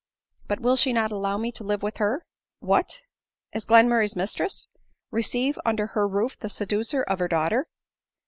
" But will she not allow me to live with her ?"" What ? as Mr Glenmurray's mistress ? receive under her roof the seducer of her daughter